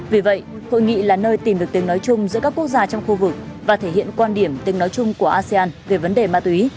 vì vậy hội nghị là nơi tìm được tiếng nói chung giữa các quốc gia trong khu vực và thể hiện quan điểm tiếng nói chung của asean về vấn đề ma túy